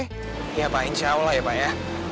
ya pak insya allah ya pak ya